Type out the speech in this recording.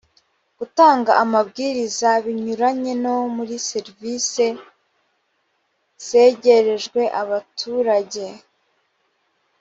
gutanga amabwiriza binyuranye no muri serivisi zegerejwe abaturage